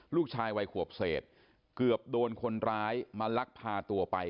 ลูกชายวัยขวบเศษเกือบโดนคนร้ายมาลักพาตัวไป